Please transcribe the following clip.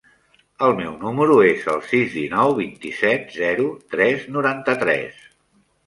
El meu número es el sis, dinou, vint-i-set, zero, tres, noranta-tres.